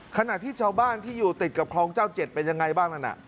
ขณะที่ชาวบ้านที่อยู่ติดกับคลองเจ้าเจ็ดเป็นยังไงบ้างนั่นน่ะ